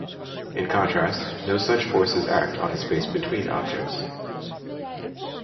In contrast, no such forces act on the space between objects.